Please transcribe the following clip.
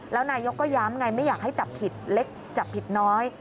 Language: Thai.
แล้วนายกก็ย้ำไงไม่อยากให้จับผิดเล็กจับผิดน้อย